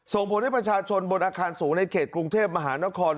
ส่งผลให้ประชาชนบนอาคารสูงในเขตกรุงเทพมหานคร